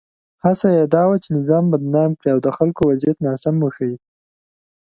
هڅه یې دا وه چې نظام بدنام کړي او د خلکو وضعیت ناسم وښيي.